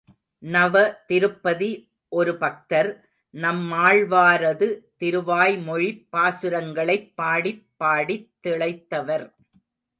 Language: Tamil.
நவ திருப்பதி ஒரு பக்தர், நம்மாழ்வாரது திருவாய்மொழிப் பாசுரங்களைப் பாடிப் பாடித் திளைத்தவர்.